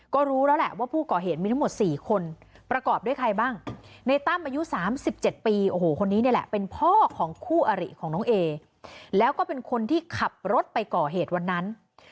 ก็รู้แล้วแหละว่าผู้ก่อเหตุมีทั้งหมด๔คน